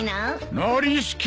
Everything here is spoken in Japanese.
ノリスケ！